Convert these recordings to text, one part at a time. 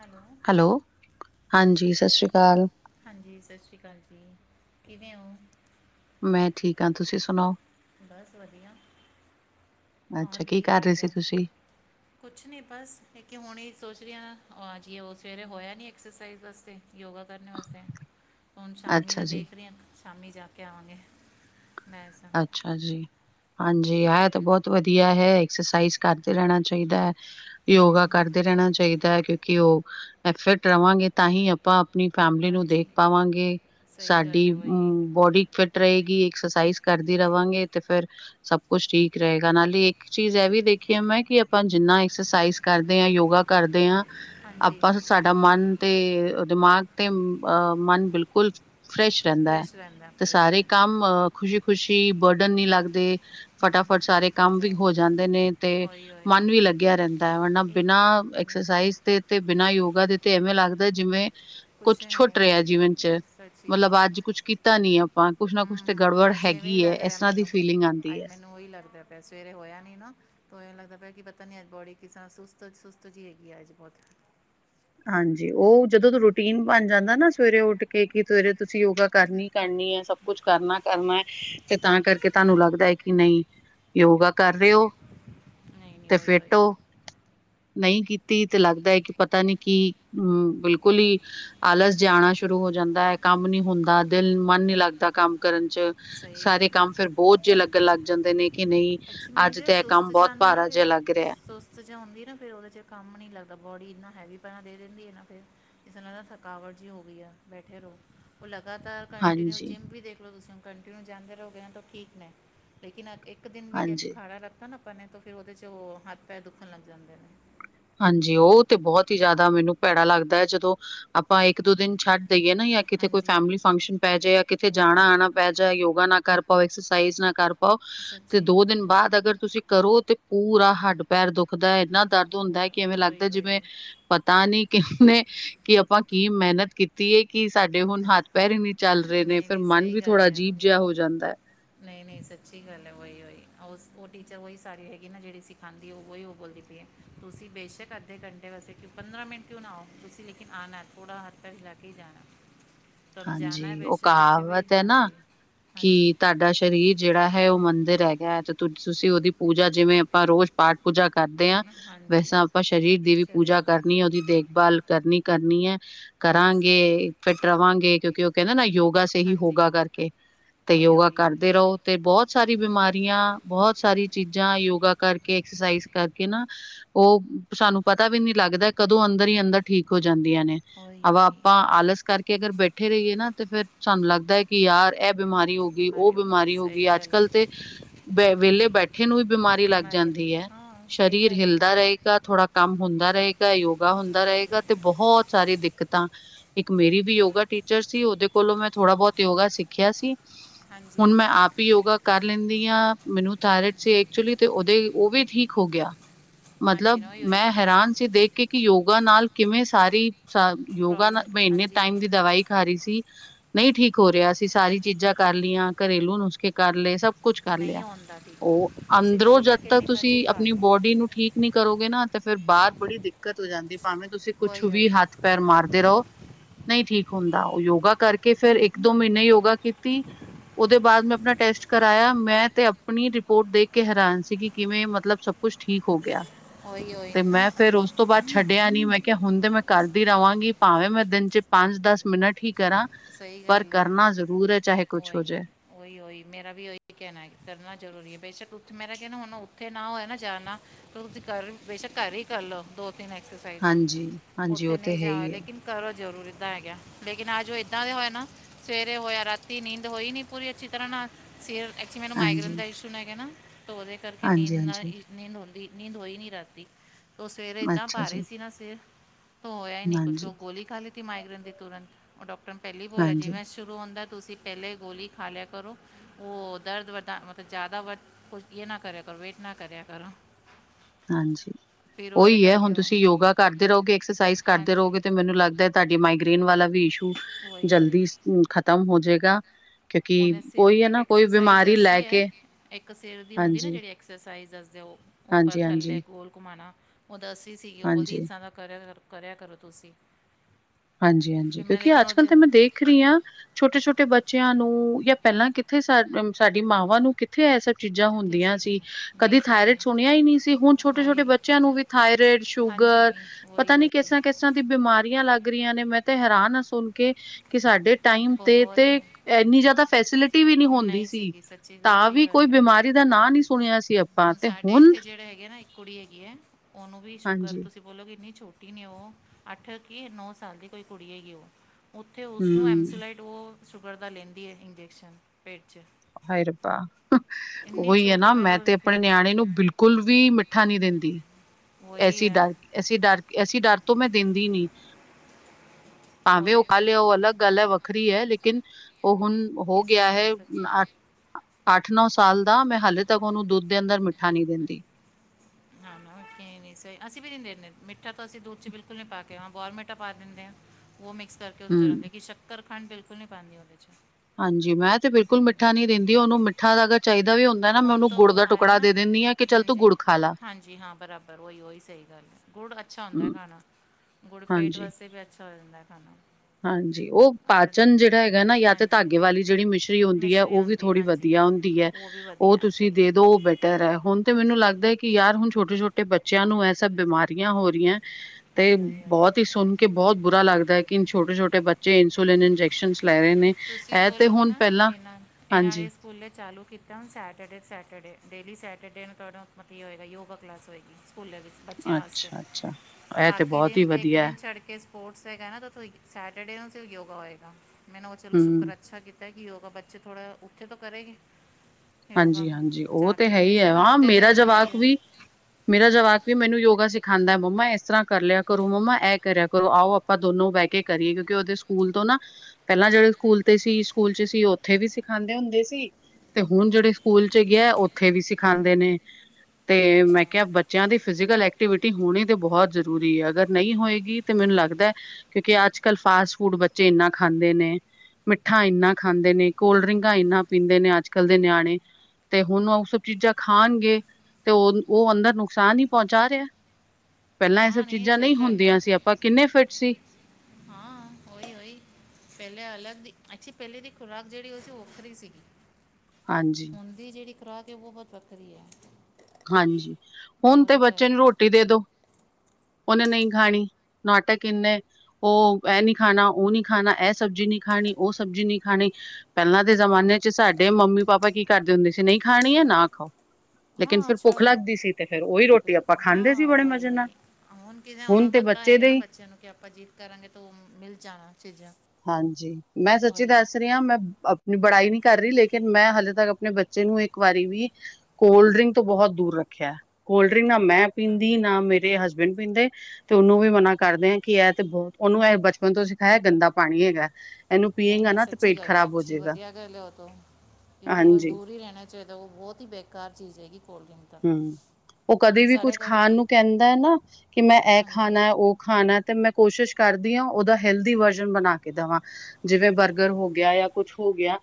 Hello. Hello ਹਾਂਜੀ, ਸਤਿ ਸ਼੍ਰੀ ਅਕਾਲ। ਹਾਂਜੀ, ਸਤਿ ਸ਼੍ਰੀ ਅਕਾਲ ਜੀ, ਕਿਵੇਂਔ। ਮੈਂ ਠੀਕਆਂ, ਤੁਸੀਂ ਸੁਣਾਓ। ਬਸ ਵਧੀਆ ਔਰ ਅੱਛਾ, ਕੀ ਕਰ ਰਹੇ ਕਰਦੇ। ਸੀ ਤੁਸੀਂ? ਕੁਛ ਨਹੀਂ ਬਸ ਮੈਂ ਕਿਹਾ, ਹੁਣ ਇਹ ਸੋਚ ਰੇ ਹਾਂ ਜੀ ਉਹ ਸਵੇਰੇ ਹੋਇਆ ਨਹੀਂ ਐਕਸਰਸਾਈਜ਼ ਵਾਸਤੇ, ਯੋਗਾ। ਕਰਨ ਵਾਸਤੇ, ਹੁਣ ਸ਼ਾਮੀ ਅੱਛਾ ਦਾ ਜੀ, ਦੇਖਰੀਂ ਹਾਂ, ਸ਼ਾਮੀ ਜਾ ਕੇ ਆਵਾਂਗੇ। ਅੱਛਾ -ਅੱਛਾ। ਹਾਂਜੀ, ਐ ਤੇ ਬਹੁਤ ਵਧੀਆ ਹੈ ਐਕਸਰਸਾਈਜ਼ ਕਰਦੇ ਰਹਿਣਾ ਚਾਹੀਦਾ ਹੈ ਯੋਗਾ ਹਾਂਜੀ ਕਰਦੇ ਰਹਿਣਾ ਚਾਹੀਦੈ ਕਿਉਂਕਿ ਉਹ ਐਕਸਟ ਰਵਾਂਗੇ ਤਾਂਹੀ। ਆਪਾਂ ਆਪਣੀ ਫੈਮਲੀ ਨੂੰ ਦੇਖ ਹਾਂਜੀ ਪਾਵਾਂਗੇ। ਸਹੀ ਗੱਲ ਸਾਡੀ ਹੈ ਵਹੀ ਅਮ ਬੋਡੀ। ਫਿਟ ਰਹੇਗੀ। ਐਕਸਰਸਾਈਜ਼ ਕਰਦੀ ਰਵਾਂਗੇ ਤੇ ਫੇਰ। ਸਭ ਕੁਛ ਠੀਕ ਰਹੇਗਾ ਨਾਲ ਹੀ। ਇੱਕ ਚੀਜ਼ ਇਹ ਵੀ ਦੇਖੀਏ ਮੈਂ ਕਿ ਆਪਾਂ ਜਿੰਨਾ ਐਕਸਰਸਾਈਜ਼। ਕਰਦੇਆਂ, ਯੋਗਾ ਕਰਦੇਆਂ ਹਾਂਜੀ ਆਪਾਂ। ਸਾਡਾ ਮਨ ਤੇ ਦਿਮਾਗ ਤੇ ਅ ਮਨ ਬਿਲਕੁਲ ਫਰੈਸ਼। ਰਹਿੰਦੈ ਫਰੈਸ਼ ਰਹਿੰਦਾ ਤੇ ਫਰੈਸ਼ ਸਾਰੇ ਕੰਮ ਰਹਿੰਦਾ ਅ ਖੁਸ਼ੀ-ਖੁਸ਼ੀ ਬਰਡਨ ਨੀ ਲੱਗਦੇ। ਹੂੰ ਫਟਾਫਟ ਸਾਰੇ ਹੂੰ ਕੰਮ ਉਹਦੇ ਵੀ ਹੋ ਜਾਂਦੇ ਨੇ ਤੇ ਉਹੀ ਉਹੀ ਮਨ ਵੀ ਲੱਗਿਆ ਰਹਿੰਦਾ ਹਨਾ ਵਰਨਾ ਬਿਨਾਂ। ਐਕਸਸਾਈਜ਼ ਦੇ ਤੇ ਬਿਨਾਂ ਯੋਗਾ ਦੇ ਤੇ ਐਵੇਂ ਲੱਗਦਾ ਜਿਵੇਂ। ਕੁੱਛ ਛੁੱਟ ਰਿਆ ਜੀਵਨ ਚ, ਮਤਲਬ ਅੱਜ ਕੁੱਛ ਕੀਤਾ ਨੀ ਆਪਾਂ ਕੁੱਛ ਨਾ ਕੁੱਛ ਤੇ ਗੜਬੜ ਹੈਗੀ। ਨਈ ਹੈ ਲੱਗ ਰਿਆ ਇਸ ਤਰ੍ਹਾਂ ਦੀ ਮੈਨੂੰ, ਫੀਲਿੰਗ ਅੱਜ ਆਂਦੀ ਹੈ। ਮੈਨੂੰ ਓਈ ਲੱਗਦਾ ਪਿਆ ਸਵੇਰੇ ਹੋਇਆ ਨੀ ਨਾ। ਐਂਏ ਲੱਗਦਾ ਪਿਆ ਕਿ ਪਤਾ ਨੀ ਅੱਜ ਬੋਡੀ ਕਿਸ ਤਰਾਂ, ਸੁਸਤ-ਸੁਸਤ ਜੀ ਐਗੀ ਏ ਅੱਜ ਬੋਤ। ਹਾਂਜੀ, ਓ ਜਦੋਂ ਤੋ ਰੋਟੀਨ ਬਣ ਜਾਂਦਾ ਨਾ ਸਵੇਰੇ ਉੱਠ ਕੇ ਕੀ ਸਵੇਰੇ ਤੁਸੀਂ ਯੋਗਾ ਕਰਨੀ ਈ ਕਰਨੀ ਐ। ਕੁਛ ਕਰਨਾ-ਕਰਨਾ, ਤੇ ਤਾਂ ਕਰਕੇ ਤੁਆਨੂੰ ਲੱਗਦਾਹੈ ਕਿ ਨਈ ਯੋਗਾ ਕਰ ਰਏ ਓ। ਨਹੀਂ ਨਹੀਂ ਤੇ ਉਹੀ ਫਿੱਟ ਉਹੀ ਓ, ਨਈ ਕੀਤੀ ਤੇ ਲੱਗਦਾ ਏ ਕਿ ਪਤਾ ਨੀ ਕਿ, ਊ, ਬਿਲਕੁਲ ਈ ਆਲਸ ਜਾਣਾ ਸ਼ੁਰੂ ਹੋ ਜਾਂਦਾ ਏ, ਕੰਮ ਨੀ ਹੁੰਦਾ ਦਿਲ ਮਨ ਨਈ ਲੱਗਦਾ ਕੰਮ ਕਰਨ ਚ, ਸਾਰੇ ਸਹੀ ਕੰਮ ਫੇਰ ਬੋਝ ਜੇ ਲੱਗਣ ਲੱਗ ਜਾਂਦੇ ਨੇ ਕਿ ਨਈ ਅਛਾ ਮੈਂ ਕਿਆ ਸੁਸਤ ਜਨਦਾ ਨਾ ਫਿਰ ਰਿਹਾ ਸੁਸ ਸਜਾਉਂਦੀ ਨਾ ਫਿਰ ਓਦੇ ਚ ਕੰਮ ਨੀ ਲੱਗਦਾ ਬੋਡੀ ਇੰਨਾ ਹੈਵੀ ਪਨਾ ਦੇ ਦਿੰਦੀ ਏ ਨਾ ਫਿਰ। ਇਸ ਨਾ ਥਕਾਵਟ ਜਿਹੀ ਹੋ ਗਈ ਐ, ਬੈਠੇ ਰਓ, ਓ ਲਗਾਤਾਰ ਕੰਟੀਨਿਊ ਹਾਂਜੀ ਜਿੰਮ ਵੀ ਦੇਖਲੋ ਤੁਸੀਂ ਕੰਟੀਨਿਊ ਜਾਂਦੇ ਰਉਗੇ ਠੀਕ ਨੇ, ਲੇਕਿਨ ਏਕ ਦਿਨ ਜ ਹਾਂਜੀ ਖਾੜਾ ਰਖਤਾ ਨਾ ਆਪਾਂ ਨੇ ਤੋ ਫਿਰ ਓਦੇ ਚ ਓ ਹੱਥ ਪੈਰ ਦੁੱਖਣ ਲੱਗ ਜਾਂਦੇ ਨੇ ਹਾਂਜੀ ਓ ਤੇ ਬੋਤ ਈ ਜ਼ਿਆਦਾ ਮੈਨੂੰ ਭੈੜਾ ਲੱਗਦਾ ਏ ਜਦੋਂ, ਆਪਾਂ ਇੱਕ ਦੋ ਦਿਨ ਛੱਡ ਸਈ ਏ ਨਾ ਜਾਂ ਕਿਥੇ ਕੋਈ ਹਾਂਜੀ ਫੈਮਿਲੀ ਫੰਕਸ਼ਨ ਪੈ ਜੇ ਜਾਂ ਕਿੱਥੇ ਜਾਣਾ-ਆਣਾ ਪੈ ਜਾ ਯੋਗਾ ਨਾ ਕਰ ਪਾਓ ਐਕਸਰਸਾਈਜ਼ ਨਾ ਕਰ ਪਾਓ, ਤੇ ਦੋ ਦਿਨ ਬਾਦ ਅਗਰ ਤੁਸੀਂ ਕਰੋ ਤੇ ਪੂਰਾ ਹੱਡ ਪੈਰ ਦੁਖਦਾ ਇੰਨਾ ਦਰਦ ਹੁੰਦਾ ਹੋਰ ਕਿ ਏਵੇਂ ਵਹੀ ਲੱਗਦਾ ਵਹੀ ਜਿਵੇਂ ਪਤਾ ਨੀ ਕਿਹਨੇ, ਕਿ ਆਪਾਂ ਕੀ ਮਿਹਨਤ ਕੀਤੀ ਤੀ ਏ ਕਿ ਸਾਡੇ ਹੁਣ ਹੱਥ ਪੈਰ ਈ ਨੀ ਚੱਲ ਰਏ ਨੇ ਨਹੀਂ ਫਿਰ ਨਹੀਂ ਮਨ ਵੀ ਥੋੜਾ ਅਜੀਬ ਜਿਆ ਹੋ ਜਾਂਦਾ ਏ ਨਈ-ਨਈ ਸੱਚੀ ਗੱਲ ਏ ਓਈ-ਓਈ, ਓਸ ਓ ਟੀਚਰ ਓਈ ਸਾਰੇ ਹੈਗੇ ਨਾ ਜਿਹੜੀ ਸਿਖਾਦੀ ਓ ਓਈ ਓ ਬੋਲਦੀ ਪਈ ਏ। ਤੁਸੀਂ ਬੇਸ਼ੱਕ ਅੱਧੇ ਘੰਟੇ ਵਸਤੇ ਕਿਉਂ ਪੰਦਰਾਂ ਮਿੰਟ ਕਿਉਂ ਨਾ ਆਓ, ਤੁਸੀਂ ਲੇਕਿਨ ਆਨਾ ਥੋੜਾ ਹੱਦ ਤੱਕ ਲੈ ਕੇ ਈ ਜਾਣਾ। ਤੁਹਾਨੂੰ ਜਾਣਾ ਹੈ ਹਾਂਜੀ, ਉਹ ਬੇਸ਼ੱਕ ਕਿੱਥੇ ਵੀ ਕਹਾਵਤ ਏ ਨਾ, ਹਾਂਜੀ ਕੀ ਹਾਂਜੀ ਤਾਡਾ ਸ਼ ਸਰੀਰ ਜੇੜਾ ਹੈ ਓ ਮੰਦਿਰ ਐਗਾ ਐ ਤੇ ਤੁਸੀਂ ਓਦੀ ਪੂਜਾ ਜਿਵੇਂ ਆਪਾਂ ਰੋਜ਼ ਪਾਠ ਪੂਜਾ ਕਰਦੇ ਆਂ, ਹਾਂਜੀ ਵੈਸੇ ਆਪਾਂ ਸਰੀਰ ਦੀ ਵੀ ਸ਼ਰੇ ਪੂਜਾ ਨਗਰ ਕਰਨੀ ਆ ਉਹਦੀ ਦੇਖਭਾਲ ਕਰਨੀ-ਕਰਨੀ ਏ, ਕਰਾਂਗੇ, ਫਿਟ ਰਵਾਂਗੇ ਕਿਉਂਕਿ ਓ ਕਹਿੰਦੇ ਨਾ ਯੋਗਾ ਚ ਏਹੀ ਹਾਂਜੀ ਹੋੋਗਾ ਕਰਕੇ, ਤੇ ਓਏ ਯੋਗਾ ਓਏ ਓਏ ਕਰਦੇ ਰਹੋ ਤੇ ਬਹੁਤ ਸਾਰੀ ਬਿਮਾਰੀਆਂ ਬਹੁਤ ਸਾਰੀ ਚੀਜ਼ਾਂ ਯੋਗਾ ਕਰਕੇ ਐਕਸਰਸਾਈਜ਼ ਕਰਕੇ ਨਾ ਓ ਸਾਨੂੰ ਪਤਾ ਵੀ ਨੀ ਲੱਗਦਾ ਕਦੋਂ ਅੰਦਰ ਈ ਅੰਦਰ ਠੀਕ ਹੋ ਜਾਂਦੀਆਂ ਨੇ, ਓਏ ਆਵਾ ਓਏ ਆਪਾਂ ਆਲਸ ਕਰਕੇ ਅਗਰ ਬੈਠੇ ਕੱਠੇ ਰਈਏ ਨਾ ਤੇ ਫੇਰ ਸਾਨੂੰ ਲੱਗਦਾ ਐ ਕਿ ਯਾਰ ਏਹ ਬਿਮਾਰੀ ਹੋ ਗਈ ਓ ਬਿਮਾਰੀ ਹੋ ਗਈ ਅੱਜ ਕੱਲ ਤੇ ਵਿਹਲੇ ਬੈਠੇ ਨੂੰ ਵੀ ਬਿਮਾਰੀ ਲੱਗ ਜਾਂਦੀ ਹੁੰਦੀ ਐ। ਹਾਂ ਸਹੀ ਸਰੀਰ ਗੱਲ ਹੈ ਹਿਲਦਾ ਰਏਗਾ ਥੋੜਾ ਕੰਮ ਹੁੰਦਾ ਰਏਗਾ ਯੋਗਾ ਹੁੰਦਾ ਰਏਗਾ ਤੇ ਓਏ ਬਹੁਤ ਸਾਰੀ ਦਿੱਕਤਾਂ, ਇੱਕ ਮੇਰੀ ਵੀ ਯੋਗਾ ਟੀਚਰ ਸੀ ਓਦੇ ਕੋਲੋਂ ਮੈਂ ਥੋੜਾ ਬੋਤ ਯੋਗਾ ਸਿੱਖਿਆ ਸੀ, ਹਾਂਜੀ ਹੁਣ ਮੈਂ ਆਪ ਯੋਗਾ ਕਰ ਲੈਂਦੀ ਆਂ, ਮੈਨੂੰ ਥਾਇਰਡ ਸੀ ਐਕਚੁਲੀ ਤੇ ਉਹਦੇ ਓ ਵੀ ਠੀਕ ਹੋ ਗਿਆ। ਹਾਂਜੀ ਮਤਲਬ, ਨਾ ਓਏ ਓਏ ਮੈਂ ਹੈਰਾਨ ਸੀ ਦੇਖ ਕੇ ਕਿ ਯੋਗਾ ਨਾਲ ਕਿਵੇਂ ਸਾਰੀ ਯੋਗਾ ਨਾਲ ਪ੍ਰੋਬਲਮ ਮੈਂ ਇੰਨੇ ਹਾਂਜੀ ਟਾਈਮ ਦੀ ਦਵਾਈ ਖਾ ਰਈ ਸੀ, ਨਈਂ ਠੀਕ ਹੋ ਰਿਆ ਸੀ ਸਾਰੀ ਚੀਜ਼ਾਂ ਕਰ ਲਈਆਂ ਘਰੇਲੂ ਨੁਸਖੇ ਕਰ ਲਏ ਸਬ ਕੁਛ ਕਰ ਨਹੀਂ ਲਿਆ, ਆਉਂਦਾ ਓ ਠੀਕ ਤੁਸੀਂ ਅੰਦਰੋਂ ਗੋਲੀਆਂ ਜਦ ਤੱਕ ਕਿੰਨੀ ਤੁਸੀਂ ਮਰਜ਼ੀ ਖਾ ਆਪਣੀ ਲਓ ਬੋਡੀ ਨੂੰ ਠੀਕ ਨੀ ਕਰੋਗੇ ਨਾ ਤੇ ਫੇਰ ਬਾਹਰ ਬੜੀ ਦਿੱਕਤ ਹੋ ਜਾਂਦੀ ਭਾਵੇਂ ਤੁਸੀਂ ਕੁਛ ਓਏ ਵੀ ਓਏ ਹੱਥ ਪੈਰ ਮਾਰਦੇ ਰਓ, ਨਈਂ ਠੀਕ ਹੁੰਦਾ ਓ ਯੋਗਾ ਕਰਕੇ ਫੇਰ ਇੱਕ-ਦੋ ਮਹੀਨੇ ਯੋਗਾ ਕੀਤੀ ਓਦੇ ਬਾਅਦ ਮੈਂ ਆਪਣਾ ਟੈਸਟ ਕਰਾਇਆ ਮੈਂ ਤੇ ਆਪਣੀ ਰਿਪੋਰਟ ਦੇਖ ਕੇ ਹੈਰਾਨ ਸੀ ਕਿ ਕਿਵੇਂ ਮਤਲਬ ਕੁਸ਼ ਠੀਕ ਹੋ ਗਿਆ, ਓਏ ਓਏ ਤੇ ਨਾ ਮੈਂ ਫੇਰ ਓਸ ਤੋਂ ਬਾਅਦ ਛੱਡਿਆ ਨੀ ਮੈਂ ਕਿਆ ਹੁਣ ਤੇ ਮੈਂ ਕਰਦੀ ਰਵਾਂਗੀ ਭਾਵੇਂ ਮੈਂ ਦਿਨ ਚ ਪੰਜ-ਦਸ ਮਿੰਟ ਈ ਕਰਾਂ। ਪਰ ਕਰਨਾ ਜ਼ਰੂਰ ਏ। [unintelligible] ਓਈ ਓਈ ਮੇਰਾ ਵੀ ਓਈ ਕਹਿਣਾ ਕਰਨਾ ਜ਼ਰੂਰੀ ਏ ਬੇਸ਼ੱਕੱ ਉੱਥੇ ਮੇਰਾ ਕਹਿਣਾ ਹੁਣ ਉੱਥੇ ਨਾ ਹੋਆ ਨਾ ਜਾਣਾ ਫ ਤੁਸੀਂ ਕਰ ਬੇਸ਼ੱਕ ਘਰ ਈ ਕਰ ਲਓ ਦੋ ਤਿੰਨ ਐਕਸਰਸਾਈਜਾਂ, ਹਾਂਜੀ ਹਾਂਜੀ ਉਹ ਉੱਥੇ ਤੇ ਨਈ ਹੈ ਜਾ ਹੀ ਹੈ ਲੇਕਿਨ ਕਰੋ ਜ਼ਰੂਰ ਇੱਦਾਂ ਹੈਗਾ, ਲੇਕਿਨ ਅੱਜ ਉਹ ਏਦਾਂ ਦੇ ਹੋਇਆ ਨਾ, ਸਵੇਰੇ ਹੋਇਐ, ਰਾਤੀ ਸੀ ਨੀਂਦ ਹੋਈ ਨੀ ਪੂਰੀ ਅੱਛੀ ਤਰ੍ਹਾਂ ਨਾਲ, ਸਿਰ ਐਕਸੀਮੈਨ ਮਾਈਗ੍ਰੇਨ ਹਾਂਜੀ ਦਾ ਇਸ਼ੂ ਨਾ ਹੈਗੈ ਨਾ, ਤੋ ਓਦੇ। ਕਰਕੇ ਨੀਂਦ ਹਾਂਜੀ ਨਾ, ਹਾਂਜੀ ਨੀਂਦ ਹੁੰਦੀ, ਨੀਂਦ ਹੋਈ ਨੀ ਰਾਤੀ। ਤੋਂ ਸਵੇਰੇ ਏਦਾਂ ਅੱਛਾ ਜੀ, ਭਾਰੀ ਸੀ ਨਾ ਸਿਰ, ਧੋਇਆ ਈ ਨੀ, ਹਾਂਜੀ, ਪਰਸੋਂ ਗੋਲੀ ਖਾਲੀ। 'ਤੇ ਮਾਈਗਰੇਨ ਦੀ ਤੁਰੰਤ, ਔਰ ਡੋਕਟਰ ਨੇ ਪੈਲੇ ਬੋਲੇਆ, ਹਾਂਜੀ, ਜਿਵੇਂ ਸੁਰੂ ਹੁੰਦੈ ਤੁਸੀਂ ਪੈਲੇ ਗੋਲੀ ਖਾ ਲਿਆ ਕਰੋ, ਓਹ ਦਰਦ ਵਰੱਧਾ ਮਤਲਬ ਜਾਦਾ ਵੱਧ ਕੁਛ ਯੇ ਨਾ ਕਰਿਆ ਕਰੋ ਵੇਟ ਨਾ ਕਰਿਆ ਕਰੋ। ਹਾਂਜੀ। ਫਿਰ ਉਹਦੇ ਓਈ ਐ, ਕਰਕੇ ਹੁਨ ਉਹ ਤੁਸੀਂ ਯੋਗਾ ਕਰਦੇ ਰੋਗੇ, ਐਕਸਰਸਾਈਜ਼ ਕਰਦੇ ਹਾਂਜੀ ਰੋਗੇ, 'ਤੇ ਮੈਨੂੰ ਲੱਗਦੈ ਤੁਹਾਡੀ ਏਅ ਮਾਈਗ੍ਰੇਨ ਵਾਲਾ ਵੀ ਇਸ਼ੂ ਕੋਈ ਗੱਲ ਨੀ। ਹੁਨ ਖਤਮ ਹੋ ਜੇਗਾ। ਓਨੇ ਸਿਰ ਦੀ ਇੱਕ ਐਕਸਰਸਾਈਜ਼ ਲੈ ਦੱਸੀ ਹੈ, ਕੇ ਇੱਕ ਸਿਰ ਦੀ ਹੁੰਦੀ ਨਾ ਹਾਂਜੀ, ਜੇੜੀ ਐਕਸਰਸਾਈਜ ਦੱਸਦੇ ਉਹ, ਉੱਪਰ- ਹਾਂਜੀ, ਥੱਲੇ ਹਾਂਜੀ, ਗੋਲ ਘੁਮਾਨਾ, ਉਹ ਦੱਸਦੀ ਸੀਗੀ, ਉਹ ਬੋਲਦੀ ਹਾਂਜੀ। ਸਾਰਾ ਕਰਿਆ ਕਰ ਕਰਿਆ ਕਰੋ ਤੁਸੀਂ। ਹਾਂਜੀ-ਹਾਂਜੀ, ਫਿਰ ਮੈਂ ਕਿਉਂਕਿ ਲੇਕਿਨ ਉਹ ਅੱਜ-ਕਲ੍ਹ ਜ- ਤਾਂ ਮੈਂ ਦੇਖ ਰੀ ਆ। ਛੋਟੇ-ਛੋਟੇ ਬੱਚਿਆਂ ਨੂੰ, ਯਾ ਪੈਲਾਂ ਕਿੱਥੇ ਸਾ ਸਾਡੀ ਮਾਵਾਂ ਨੂੰ ਕਿੱਥੇ ਐਹ ਸਭ ਚੀਜ਼ਾਂ ਕਿੱਥੇ ਹੁੰਦੀਆਂ ਸੀਗੀ ਸੀ, ਨਹੀਂ ਕਦੇ ਥਾਇਰਡ ਸੀਗੀ ਸੁਨਿਆ ਈ ਨੀ ਸੀ, ਹੁਨ ਛੋਟੇ- ਛੋਟੇ ਵਹੀ ਬੱਚੇ ਬੱਚਿਆਂ ਨੂੰ ਵੀ ਥਾਇਰਡ, ਹਾਂਜੀ ਸ਼ੂਗਰ ਵਹੀ ਪਤਾ ਨੀ ਵਹੀ ਕਿਸ ਤਰ੍ਹਾਂ ਕਿਸ ਤਰ੍ਹਾਂ ਦੀ ਬਿਮਾਰੀਆਂ ਲੱਗ ਰੀਆਂ ਨੇ, ਮੈਂ ਤੇ ਹੈਰਾਨ ਹਾਂ ਸੁਨ ਕੇ, ਕਿ ਸਾਡੇ ਟਾਈਮ 'ਤੇ, ਬਹੁਤ 'ਤੇ ਹੈ ਐੰਨੀ ਜਾਦਾ ਫੈਸਿਲਿ ਟੀ ਵੀ ਨੀ ਹੁੰਦੀ ਨਹੀਂ ਸੀ, ਸੀਗੀ ਸੱਚੀ ਤਾਂ ਸੱਚੀ ਵੀ ਕੋਈ ਗੱਲ ਹੈ ਬਿਮਾਰੀ ਦਾ ਨਾਂ ਨੀ ਸੁਣਿਆ ਸੀ ਆਪਾਂ, ਹੁਣ 'ਤੇ ਸਾਡੇ ਹੁਨ ਇੱਥੇ ਜਿਹੜੇ ਹੈਗੇ ਨਾ ਇੱਕ ਕੁੜੀ ਹੈਗੀ ਐ, ਓਨੂੰ ਵੀ ਸ਼ੂਗਰ ਤੁ ਤੁਸੀਂ ਬੋਲੋਗੇ ਇੰਨੀ ਛੋਟੀ ਨੇ ਉਹ, ਅੱਠ ਕਿ ਨੌ ਸਾਲ ਦੀ ਕੋਈ ਕੁੜੀ ਹੈਗੀ ਉਹ। ਉੱਥੇ ਉਸਨੂੰ ਹੂੰ ਐਮਸੀਲਾਈਟ, ਉਹ ਸ਼ੂਗਰ ਦਾ ਲੈਂਦੀ ਏ ਇੰਜੈਕਸ਼ਨ, ਪੇਟ 'ਚ। ਹਾਏ ਰਬਾ! ਇੰਨੀ ਓਈ ਏ ਨਾ, ਛੋਟੀ ਮੈਂ ਤਾਂ 'ਤੇ ਦੇਖੀ ਅਪਨੇ ਹੈ ਨਿਆਣੇ ਨੂੰ ਬਿਲ ਕੁੱਲ ਵੀ ਮਿੱਠਾ ਨੀ ਦੇਂਦੀ, ਵਹੀ ਐਸੀ ਹੈ ਡਾਰਕ- ਐਸੀ ਡਾਰਕ, ਐਸੀ ਡਾਰਕ। ਤੋ ਮੈਂ ਦੇੰਦੀ ਨੀ, ਭਾਵੇ ਉਹ ਉਹਦੇ ਕਲ੍ਹ, ਉਹ ਅਲਗ ਗਲ ਐ। ਵੱਖਰੀ ਐ, ਲੇਕਿਨ ਉਹ ਹੁਨ ਹੋ ਇਸਾ ਗਿਆ ਨਹੀਂ ਹੈ ਸੱਚ ਅੱਠ ਅੱਠ-ਨੌ ਸਾਲ ਦਾ, ਮੈਂ ਹਾਲੇ ਤੱਕ ਉਨੂੰ ਦੁੱਧ ਦੇ ਅੰਦਰ ਮਿੱਠਾ ਨੀ ਦੇੰਦੀ। ਹਾਂ- ਹਾਂ, ਨਈ -ਨਈ, ਅਸੀਂ ਵੀ ਨੀ ਦਿੰਦੇ। ਮਿੱਠਾ ਤਾਂ ਅਸੀਂ ਦੁੱਧ 'ਚ ਬਿਲਕੁਲ ਨੀ ਪਾ ਕੇ ਹਾਂ, ਬੋਰਵੀਟਾ ਪਾ ਦਿੰਦੇ ਆ। ਉਹ ਮਿਕਸ ਕਰਕੇ ਉਸਨੂੰ ਹੂੰ ਜਰਾਂਗੇ, ਕਿ ਸ਼ੱਕਰ ਖੰਡ ਬਿਲਕੁਲ ਨੀ ਪਾਂਦੇ ਓਦੇ 'ਚ। ਹਾਂਜੀ, ਮੈਂ 'ਤੇ ਬਿਲਕੁਲ ਮਿੱਠਾ ਨੀ ਦਿੰਦੀ ਉਨੂੰ ਮਿੱਠਾ ਦਾ ਅਗਰ ਚਾਹੀਦਾ ਵੀ ਹੁੰਦਾ ਨਾ ਮੈਂ ਹੁਨ ਉਹਨੂੰ ਗੁੜ ਤੋਂ ਦਾ ਆਇਆ ਟੁਕੜਾ ਨਾ, ਦੇ ਦਿੰਦੀ ਹਾਂ ਕਿ ਚੱਲ ਤੂੰ ਹਾਂਜੀ, ਗੁੜ ਖਾ ਲਾ ਹਾਂਜੀ ਹਾਂ ਬਰਾਬਰ ਓਈ, ਓਈ ਸਹੀ ਗੱਲ। ਗੁੜ ਅੱਛਾ ਹੁੰਦਾ ਹੂੰ ਖਾਨਾ, ਗੁੜ ਪੇਟ ਹਾਂਜੀ ਵਾਸਤੇ ਵੀ ਅੱਛਾ ਹੋ ਜਾਂਦਾ ਖਾਨਾ। ਹਾਂਜੀ, ਓਹ ਪਾਚਨ ਜੇੜਾ ਹੈਗਾ ਨਾ, ਯਾ ਤੇ ਹਾਂਜੀ ਧਾਗੇ ਵਾਲੀ ਜੇੜੀ ਮਿਸ਼ਰੀ ਹੁੰਦੀ ਐ, ਮਿਸ਼ਰੀ ਉਹ ਵੀ ਹੁੰਦੀ ਥੋੜ੍ਹੀ ਹਾਂਜੀ ਵਦੀਆ ਹੁੰਦੀ ਐ। ਉਹ ਵੀ ਉਹ ਵਧੀਆ ਹੈ, ਤੁਸੀਂ ਸਹੀ ਹੈ ਦੇ ਦੋ ਬੈਠ ਪਿੱਤਰ ਹੈ, ਹੁਨ ਤੇ ਮੈਨੂੰ ਲੱਗਦਾ ਕਿ ਯਾਰ, ਹੁਨ ਛੋਟੇ- ਛੋਟੇ ਬੱਚਿਆਂ ਨੂੰ ਐਹ ਸਭ ਬਿਮਾਰੀਆਂ ਹੋ ਰੀਐ। 'ਤੇ ਉਹੀ ਉਹੀ ਉਹੀ ਬੋਹਤ ਈ ਸੁਨ ਕੇ ਬੋਹਤ ਬੁਰਾ ਲੱਗਦੈ ਕਿ ਇੰਨ ਛੋਟੇ-ਛੋਟੇ ਬੱਚੇ ਇੰਸੁਲਨ ਦੇ ਇੰਜੈਕਸ਼ਨਸ ਲੈ ਰਏ ਨੇ। ਤੁਸੀਂ ਇਹ ਤੇ ਬੋਲੋਗੇ ਹੁਣ ਨਾ, ਪਹਿਲਾਂ ਏਨਾਂ ਨ, ਏਨਾਂ ਨੇ ਹਾਂਜੀ, ਸਕੂਲੇ ਚਾਲੂ ਕੀਤਾ ਸੈਚਟਰਡੇ-ਸੈਚਟਰਡੇ, ਡੇਲੀ ਸੈਚਟਰਡੇ ਨੂੰ ਤੁਹਨੂੰ ਵਦੀਆ ਹੋਏਗਾ ਯੋਗਾ। ਕਲਾਸ ਹੋਏਗੀ ਸਕੂਲਾਂ ਵਿੱਚ ਬੱਚਿਆਂ ਵਾਸਤੇ, ਅੱਛਾ-ਅੱਛਾ। ਇਹ ਤੇ ਬਾਕੀ ਬਹੁਤ ਹੀ ਦਿਨ ਇੱਕ ਵਧੀਆ ਐ, ਦਿਨ ਛੱਡ ਕੇ ਕਿ ਸਪੋਰਟਸ ਹੈਗਾ ਨਾ ਤਾਂ ਸੈਟਰਡੇ ਨੂੰ ਸਿਰਫ ਯੋਗਾ ਹੋਏਗਾ, ਮੈਨੂੰ ਓ ਚਲੋ ਸ਼ੁਕਰ ਹੂੰ, ਅੱਛਾ ਕੀਤਾ। ਪਤਾ ਕੀ ਯੋਗਾ ਬੱਚੇ ਥੋੜ੍ਹਾ ਉੱਥੇ ਤੋ ਕਰੇਂਗੇ। ਹਾਂਜੀ, ਹਾਂਜੀ ਓ ਤੇ ਹੈ ਈ ਐ, ਬੇਸ਼ੱਕ ਹਾਂ ਹਫਤੇ ਦੇ ਮੇਰਾ ਜਵਾਕ ਠੀਕ ਹੈ ਵੀ ਮੇਰਾ ਜਵਾਕ ਵੀ ਮੈਨੂੰ ਯੋਗਾ ਸਿਖਾਂਦਾ ਮੰਮਾ ਏਸ ਤਰ੍ਹਾਂ ਕਰ ਲਿਆ ਕਰੋ। ਮੰਮਾ ਐ ਕਰਿਆ ਕਰੋ ਆਓ ਆਪਾਂ ਦੋਨੋ ਬੈ ਕੇ ਕਰੀਏ, ਕਿਉਂਕਿ ਓਦੇ ਸਕੂਲ ਤੋਂ ਨਾ ਪੈਲਾਂ ਜੇੜੇ ਸਕੂਲ ਤੇ ਸੀ, ਸਕੂਲ 'ਚ ਸੀ ਓਥੇ ਵੀ ਸਿਖਾਂਦੇ ਹੁੰਦੇ ਸੀ। ਤੇ ਹੁਣ ਜੇੜੇ ਸਕੂਲ 'ਚ ਹੈਗੇ ਆ, ਓਥੇ ਵੀ ਸਿਖਾਂਦੇ ਨੇ। ਤੇ ਮੈਂ ਅੱਛਾ ਕਿਆ ਬ ਬੱਚਿਆਂ ਦੀ ਫਿਜ਼ਕਲ ਐਕਟੀਵਿਟੀ ਹੋਣੀ ਤਾਂ ਬੋਹਤ ਜ਼ਰੂਰੀ ਆ। ਅਗਰ ਨਈ ਹੋਏਗੀ ਤੇ ਮੈਨੂੰ ਲੱਗਦਾ ਕਿਉਂਕਿ ਅੱਜ ਕੱਲ੍ਹ ਫਾਸਟ ਫੂਡ ਬੱਚੇ ਏਨਾ ਖਾਂਦੇ ਨੇ। ਮਿੱਠਾ ਏਨਾ ਖਾਂਦੇ ਨੇ, ਕੋਲਡ ਡਰਿੰਕਾਂ ਏਨਾ ਪੀਂਦੇ ਨੇ ਅੱਜ ਕੱਲ੍ਹ ਦੇ ਨਿਆਣੇ। ਤੇ ਹੁਣ ਓ ਸਭ ਚੀਜ਼ਾਂ ਖਾਣਗੇ। ਤੇ ਓ ਓ ਅੰਦਰ ਨੁਕਸਾਨ ਈ ਪੋਂਚਾ ਰਿਆ। ਪੈਲਾਂ ਏ ਸਭ ਹਾਂ ਨਹੀਂ ਚੀਜ਼ਾਂ ਸਹੀ ਨਈ ਗੱਲ ਹੈ ਹੁੰਦੀਆਂ ਸੀ। ਆਪਾਂ ਕਿੰਨੇ ਫਿੱਟ ਸੀ। ਹਾਂ ਓਈ-ਓਈ। ਪੈਲੇ ਅਲੱਗ ਦੀ ਅੱਛੀ ਪੈਲੇ ਦੀ ਖੁਰਾਕ ਜੇੜੀ ਓ ਸੀ ਓ ਵੱਖਰੀ ਸੀਗੀ। ਹਾਂਜੀ ਹੁਣ ਦੀ ਜੇੜੀ ਖੁਰਾਕ ਏ, ਓ ਬੋਤ ਵੱਖਰੀ ਐ। ਹਾਂਜੀ, ਹੁਣ ਤੇ ਬੱਚੇ ਨੂੰ ਰੋਟੀ ਦੇ ਦੋ। ਓਨੇ ਨਹੀਂ ਖਾਣੀ, ਨਾਟਕ ਏਨੇ। ਓ ਐ ਨੀ ਖਾਣਾ, ਓ ਨੀ ਖਾਣਾ, ਐ ਸਬਜ਼ੀ ਨੀ ਖਾਣੀ, ਓ ਸਬਜ਼ੀ ਨੀ ਖਾਣੀ। ਪੈਲਾਂ ਦੇ ਜ਼ਮਾਨੇ 'ਚ ਸਾਡੇ ਮੰਮੀ ਪਾਪਾ ਕੀ ਕਰਦੇ ਹੁੰਦੇ ਸੀ, ਨਈ ਖਾਣੀ ਏ ਨਾ ਖਾਓ। ਲੇਕਿਨ ਹਾਂ, ਫਿਰ ਭੁੱਖ ਛੱਡ ਦੋ ਲੱਗਦੀ ਸੀ ਤੇ ਫੇਰ ਉਹੀ ਰੋਟੀ ਆਪਾਂ ਖਾਂਦੇ ਸੀ ਹਾਂ ਬੜੇ ਮਜ਼ੇ ਨਾਲ ਵਈ-ਵਈ ਹੁਣ ਕਿਵੇਂ ਓਨਾ ਨੂੰ ਤੇ ਪਤਾ ਬੱਚੇ ਹੈਗਾ ਦੇ ਨਾ, ਬ ਹੀ ਬੱਚਿਆਂ ਨੂੰ ਕੀ ਆਪਾਂ ਜਿਦ ਕਰਾਂਗੇ ਤੋ ਓ ਮਿਲ ਜਾਣਾ ਚੀਜ਼ਾਂ। ਹਾਂਜੀ, ਮੈਂ ਸੱਚੀ ਉਹੀ ਦੱਸ ਰੀ ਆਂ। ਮੈਂ ਅਆ ਆਪਣੀ ਬੜਾਈ ਨੀ ਕਰ ਰੀ। ਲੇਕਿਨ ਮੈਂ ਹਲੇ ਤੱਕ ਆਪਣੇ ਬੱਚੇ ਨੂੰ ਇੱਕ ਵਾਰੀ ਵੀ ਕੋਲਡ ਡਰਿੰਕ ਤੋਂ ਬੋਹਤ ਦੂਰ ਰੱਖਿਆ, ਕੋਲਡ ਡਰਿੰਕ ਨਾ ਮੈਂ ਹਮ ਪੀਂਦੀ ਨਾ ਮੇਰੇ ਹਸਬ ਬੈਂਂਡ ਪੀਂਦੇ, ਤੇ ਓਨੂੰ ਵੀ ਮਨਾ ਕਰਦੇ ਐ ਕੀ, ਐ ਤੇ ਬੋਤ ਓਨੂੰ ਐ ਬਚਪਨ ਤੋਂ ਸਿਖਾਇਆ ਗੰਦਾ ਪਾਣੀ ਹੈਗਾ। ਇਹਨੂੰ ਪੀਏਗਾ ਨਈ-ਨਈ ਨਾ ਤੇ ਸੱਚੀ ਪੇਟ ਗੱਲ ਐ। ਖ਼ਰਾਬ ਹੋ ਅੱਛੀ ਜਾਏਗਾ ਵਧੀਆ ਗੱਲ ਐ ਓ ਤੋਂ ਕਿਉਂਕਿ ਓ ਹਾਂਜੀ ਦੂਰ ਈ ਰੈਣਾ ਜਦੋਂ ਓ ਬੋਤ ਈ ਬੇਕਾਰ ਚੀਜ਼ ਹੈਗੀ ਕੋਲਡਰਿੰਕ। ਹੂੰ। ਓ ਕਦੇ ਵੀ ਕੁੱਝ ਖਾਣ ਨੂੰ ਕੈਂਦਾ ਐ ਨਾ, ਕੀ ਮੈਂ ਐ ਹਾਂਜੀ ਖਾਣਾ ਓ ਖਾਣਾ ਤੇ ਮੈਂ ਕੋਸ਼ਿਸ਼ ਕਰਦੀ ਆਂ, ਓਦਾ ਹੈਲਦੀ ਵਰਜਨ ਬਣਾ ਕੇ ਦਵਾਂ। ਜਿਵੇਂ ਬਰਗਰ ਹੋ ਗਿਆ ਜਾਂ ਕੁੱਛ ਹੋ ਗਿਆ।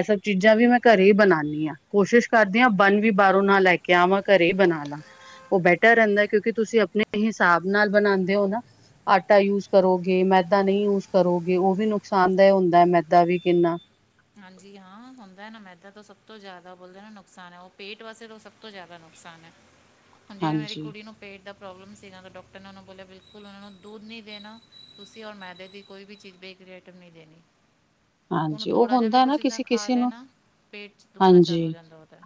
ਐਸਾ ਚੀਜ਼ਾਂ ਵੀ ਮੈਂ ਰੀਤ ਘਰੇ ਈ ਬਣਾਣੀ ਆਂ। ਕੋਸ਼ਿਸ਼ ਕਰਦੀ ਆਂ ਬੰਨ ਵੀ ਬਾਰੋਂ ਨਾ ਲੈ ਕੇ ਆਵਾਂ, ਘਰੇ ਈ ਬਣਾ ਲਾਂ। ਓ ਬੈਟਰ ਰੈਂਦਾ, ਕਿਉਂਕਿ ਤੁਸੀਂ ਆਪਣੇ ਹਿਸਾਬ ਨਾਲ ਬਣਾਂਦੇ ਓ ਨਾ। ਆਟਾ ਯੂਜ ਕਰੋਗੇ, ਮੈਦਾ ਨਈ ਯੂਜ ਕਰੋਗੇ। ਓ ਵੀ ਨੁਕਸਾਨਦਾਇ ਹੁੰਦਾ ਐ ਮੈਦਾ ਵੀ ਕਿੰਨਾ। ਹਾਂਜੀ ਹਾਂ, ਹੁੰਦਾ ਨਾ ਮੈਦਾ ਤੋਂ ਸਭ ਤੋਂ ਜ਼ਾਦਾ ਬੋਲਦੇ ਨਾ ਨੁਕਸਾਨ ਐ, ਓ ਪੇਟ ਵਾਸਤੇ ਤੋਂ ਸਭ ਤੋਂ ਜ਼ਾਦਾ ਨੁਕਸਾਨ ਐ। ਹਾਂਜੀ ਓਨਾ ਦੀ ਕੁੜੀ ਨੂੰ। ਪੇਟ ਦਾ ਪ੍ਰੋਬਲਮ ਸੀਗਾ, ਤਾਂ ਡਾਕਟਰ ਨੇ ਓਨਾਂ ਨੂੰ ਬੋਲਿਆ ਬਿਲਕੁਲ ਓਨਾਂ ਨੂੰ ਦੁਧ ਨੀ ਦੇਣਾ। ਤੁਸੀਂ ਔਰ ਮੈਦੇ ਦੀ ਕੋਈ ਵੀ ਚੀਜ਼ ਬੈਕ ਕੋਈ ਐਟਮ ਨੀ ਦੇਣੀ। ਉਹਨੂੰ ਹਾਂਜੀ ਓ ਥੋੜਾ ਜਿਹਾ ਵੀ ਹੁੰਦਾ ਕੁਝ ਨਾ ਚੀਜ਼ਾਂ ਖਾ ਕਿਸੀ-ਕਿਸੀ ਨੂੰ, ਲੈਣਾ ਪੇਟ 'ਚ ਦੁਖਣਾ ਚਾਲੂ ਹੋ ਹਾਂਜੀ। ਜਾਂਦਾ ਉਹਦਾ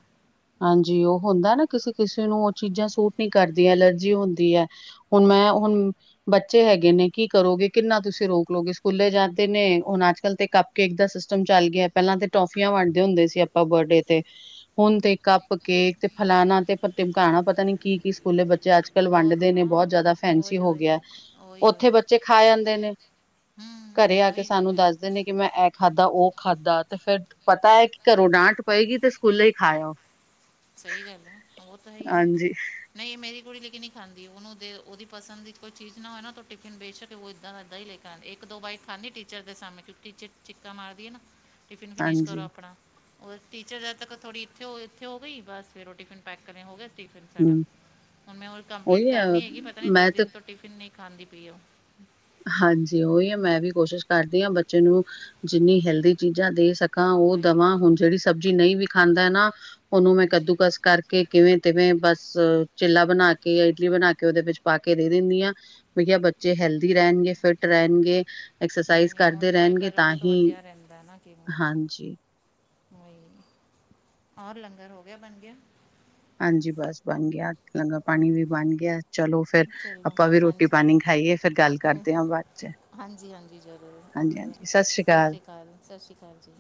ਹਾਂਜੀ, ਓ ਹੁੰਦਾ ਨਾ ਕਿਸੀ ਕਿਸੀ ਨੂੰ ਓ ਚੀਜ਼ਾਂ ਸੂਟ ਨੀ ਕਰਦੀਆਂ, ਅਲਰਜੀ ਹੁੰਦੀ ਐ। ਹੁਣ ਮੈਂ ਹਾਂਜੀ ਹੁਣ ਬੱਚੇ ਹੈਗੇ ਨੇ ਕੀ ਕਰੋਗੇ, ਕਿੰਨਾ ਤੁਸੀਂ ਰੋਕ ਲੋਗੇ, ਸਕੂਲੇ ਜਾਂਦੇ ਨੇ ਹੁਣ ਅੱਜ- ਕੱਲ ਤੇ ਕ ਕੇਕ ਦਾ ਸਿਸਟਮ ਚੱਲ ਗਿਆ। ਪਹਿਲਾਂ ਤੇ ਟੋਫੀਆਂ ਵੰਡਦੇ ਹੁੰਦੇ ਸੀ ਆਪਾਂ ਬਰਡੇ ਤੇ। ਹੁਣ ਤੇ ਕੱਪ ਕੇ ਤੇ ਫਲਾਣਾ ਤੇ ਫਿਰ ਟਿਮਕਾਣਾ ਪਤਾ ਨੀ ਕੀ, ਕੀ ਸਕੂਲੇ ਬੱਚੇ ਅੱਜ ਕਲ ਬਹੁਤ ਵੰਡਦੇ ਨੇ ਹਾਂ ਬਹੁਤ ਜ਼ਿਆਦਾ ਫੈਸੀ ਓਏ ਹੋ ਓਏ ਗਿਆ। ਓਏ ਉੱਥੇ ਓਏ ਬੱਚੇ ਖਾ ਆਦੇ ਨੇ ਹੂੰ ਘਰੇ ਆ ਕੇ ਉਹੀ ਗੱਲ ਸਾਨੂੰ ਹੈ ਦੱਸਦੇ ਨੇ ਕਿ ਮੈਂ ਇਹ ਖਾਧਾ, ਉਹ ਖਾਧਾ ਤੇ ਫਿਰ ਪਤਾ ਐ ਕਿ ਘਰੋਂ ਡਾਂਟ ਪਏਗੀ ਤੇ ਸਕੂਲੇ ਈ ਖਾ ਆਓ। ਸਹੀ ਗੱਲ ਐ, ਉਹ ਤਾਂ ਹੈ ਈ ਐ। ਨਹੀਂ ਇਹ ਮੇਰੀ ਕੁੜੀੇ ਨ ਨਹੀਂ ਖਾਂਦੀ। ਉਹਨੂੰ ਦੇ ਉਹਦੀ ਪਸੰਦ ਦੀ ਕੋਈ ਚੀਜ਼ ਨਾ ਹੋਏ ਨਾ ਉਹ ਟਿਫਿਨੇਚ ਕੇ ਉਹ ਇੱਦਾਂ- ਇੱਦਾਂ ਈ ਲੇਕ ਇੱਕ- ਦੋ ਬਾਈਕ ਖਾਂਦੀ ਟੀਚਰ ਦੇ ਸਮਣੇ, ਕਿਉਂਕਿ ਟੀਚਰ ਚਿੱਕਾ ਮਾਰਦੀ ਐ ਨਾ ਟਿਫਿਨ ਫਿਨਿਸ਼ ਕਰੋ ਹਾਂਜੀ-ਹਾਂਜੀ। ਆਪਣਾ, ਰ ਟੀਚਰ ਜਦ ਤੱਕ ਥੜ੍ਹ ਇੱਥੇ ਹੋ ਇੱਥੇ ਔ ਗਈ ਬਸ ਫਿਰ ਉਹ ਟਿਫਿਨ ਪੈਕ ਹੋ ਸਫਿਨ ਸਾਡਾ ਹੂੰ, ਹੁਣ ਮੈਂ ਕੰਪਲੀਟ ਉਹੀ ਐ ਕਰਨੀ ਹੈਗੀ ਪਤਾ ਨੀ ਮੈਂ ਦੋ ਤੇ ਦਿਨ ਤੋਂ ਟਿਫਿਨ ਨਹੀਂ ਖਾਂਦੀ ਪੀ ਉਹ ਹਾਂਜੀ ਉਹੀ ਐ ਮੈਂ ਵੀ ਕੋਸ਼ਿਸ਼ ਕਰਦੀ ਆ, ਬੱਚੇ ਨੂੰ ਜਿੰਨੀ ਹੈਲਦੀ ਚੀਜ਼ਾਂ ਦੇ ਸਕ ਉਹ ਉਹੀ ਦਵਾਂ ਹੁਣ ਜਿਹੜੀ ਸਬਜ਼ੀ ਨਹੀਂ ਵੀ ਖਾਂਦਾ ਨਾ ਉਹਨੂੰ ਮੈਂ ਹਾਂਜੀ ਕੱਦੂਕਸ ਕਰਕੇ ਕੇ ਕਿਵੇਂ ਤਿਵੇਂ ਬਸ ਚਿੱਲਾ ਬਣਾ ਕੇ ਜਾਂ ਇਡਲੀ ਬਣਾ ਕੇ ਉਹਦੇ ਵਿੱਚ ਪਾ ਕੇ ਦੇ ਦਿੰਦੀ ਆ ਭਈਆ ਬੱਚੇ ਹੈਲਦੀ ਰਹਿਣਗੇ, ਫਿੱਟ ਰਹਿਣਗੇ ਨਹੀਂ ਐਕਸਰਸਾਈਜ਼ ਨਹੀਂ ਹੁਣ ਕਰਦੇ ਤੋਂ ਹੀ ਰਹਿਣਗੇ ਤਾਂ ਕਰੋਗੇ ਹੀ ਵਧੀਆ ਰਹਿੰਦਾ ਹਾਂਜੀ ਕੋਹੀ ਨਹੀਂ, ਔਰ ਲੰਗਰ ਹੋ ਗਿਆ, ਬਣ ਗਿਆ ਹਾਂਜੀ ਬਸ ਬਣ ਗਿਆ ਲੰਗਾ ਪਾਣੀ ਵੀ ਬਣ ਗਿਆ। ਚਲੋ ਫੇਰ ਚਲੋ ਆਪਾਂ ਵੀ ਰੋਟੀ ਹਾਂਜੀ ਪਾਣੀ ਖਾਈਏ ਫੇਰ ਗੱਲ ਕਰਦੇ ਆ ਬਾਅਦ ਚ ਹਾਂਜੀ ਹਾਂਜੀ ਜ਼ਰੂਰ ਓਕੇ ਹਾਂਜੀ-ਹਾਂਜੀ ਸਤਿ ਸ਼੍ਰੀ ਸਸਿ ਅਕਾਲ। ਸੀਕਾਲ, ਸਸਿ ਸੀਕਾਲ ਜੀ।